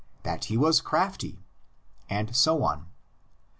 that he was crafty; and so on.